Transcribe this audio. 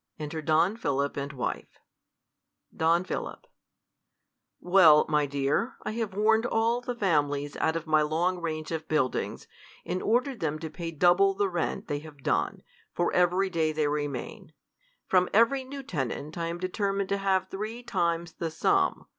Enter Don Philip and Wife. r» nL 7 17t7ELTi, my dear, I have warned all non Philip, y y ^^^ ^^^^^j.^^ ^^^^^^^^^^^^^ of buildings, and ordered them to pay double the rent they have done, for every day they remain. From every new tenant I am determined to have three times the sum.